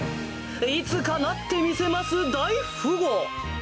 いつかなってみせます大富豪。